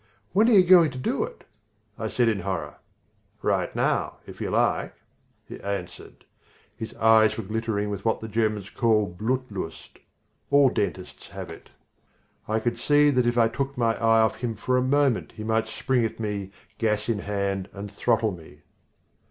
"When are you going to do it?" I said in horror. "Right now, if you like," he answered. His eyes were glittering with what the Germans call Blutlust. All dentists have it. I could see that if I took my eye off him for a moment he might spring at me, gas in hand, and throttle me.